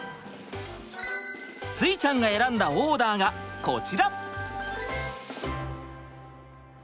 穂ちゃんが選んだオーダーがこちら！